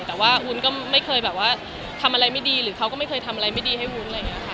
แต่ว่าวุ้นก็ไม่เคยทำอะไรไม่ดีหรือเขาก็ไม่เคยทำอะไรไม่ดีให้วุ้น